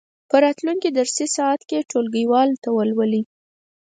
په راتلونکې درسي ساعت کې یې ټولګیوالو ته ولولئ.